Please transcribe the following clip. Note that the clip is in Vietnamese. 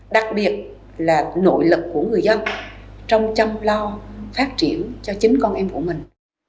đặc biệt là nội lực của người dân trong chăm lo phát triển cho chính con em của mình